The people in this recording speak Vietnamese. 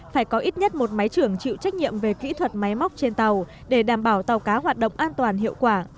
phải có ít nhất một máy trưởng chịu trách nhiệm về kỹ thuật máy móc trên tàu để đảm bảo tàu cá hoạt động an toàn hiệu quả